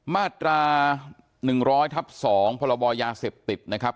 มาตราหนึ่งร้อยทับสองพระบอยยาเสพติดนะครับ